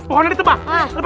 pohonnya tebang lo pake apa